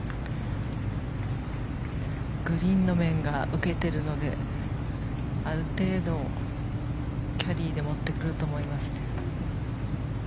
グリーンの面が受けてるのである程度、キャリーで持ってくると思います。